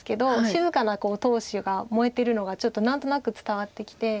静かな闘志が燃えてるのがちょっと何となく伝わってきて。